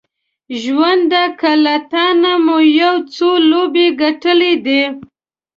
ژونده که له تانه مو یو څو لوبې ګټلې دي